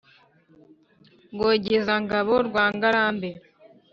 Rwogezangabo rwa Ngarambe,